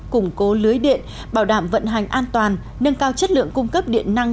củng cố lưới điện bảo đảm vận hành an toàn nâng cao chất lượng cung cấp điện năng